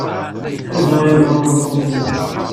Anda ay ẓran tameṭṭut-nni?